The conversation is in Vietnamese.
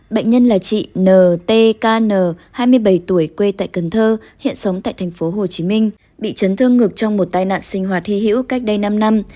bệnh nhân là chị n t k n hai mươi bảy tuổi quê tại cần thơ hiện sống tại tp hcm bị chấn thương ngực trong một tai nạn sinh hoạt hy hữu cách đây năm năm